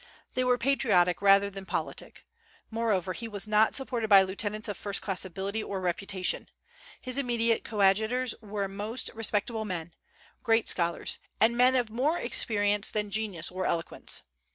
They were patriotic rather than politic. Moreover, he was not supported by lieutenants of first class ability or reputation. His immediate coadjutors were most respectable men, great scholars, and men of more experience than genius or eloquence.